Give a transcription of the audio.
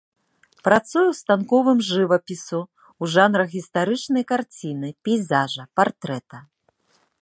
Працуе ў станковым жывапісу ў жанрах гістарычнай карціны, пейзажа, партрэта.